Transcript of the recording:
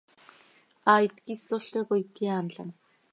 Haait quih ísolca coi cöyaanlam.